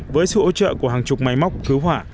với sự hỗ trợ của hàng chục máy móc cứu hỏa